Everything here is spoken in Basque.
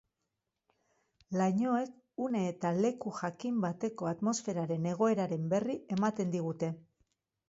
Lainoek une eta leku jakin bateko atmosferaren egoeraren berri ematen digute.